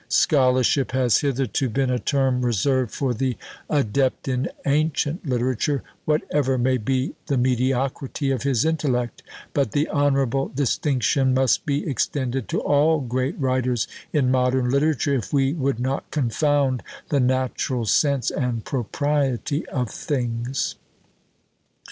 "Scholarship" has hitherto been a term reserved for the adept in ancient literature, whatever may be the mediocrity of his intellect; but the honourable distinction must be extended to all great writers in modern literature, if we would not confound the natural sense and propriety of things.